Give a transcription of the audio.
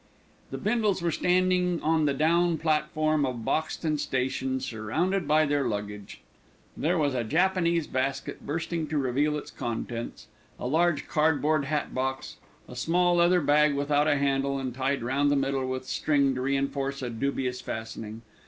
The Bindles were standing on the down platform of Boxton Station surrounded by their luggage. There was a Japanese basket bursting to reveal its contents, a large cardboard hat box, a small leather bag without a handle and tied round the middle with string to reinforce a dubious fastening.